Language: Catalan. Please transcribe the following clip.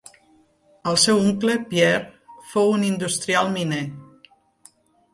El seu oncle, Pierre, fou un industrial miner.